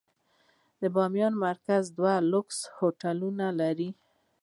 د بامیان مرکز دوه لوکس هوټلونه درلودل.